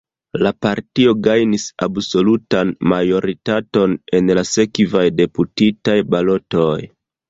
La partio gajnis absolutan majoritaton en la sekvaj deputitaj balotoj.